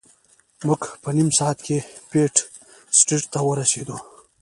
موږ په نیم ساعت کې پیټ سټریټ ته ورسیدو.